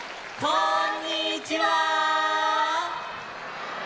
こんにちは！